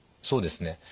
そうですね。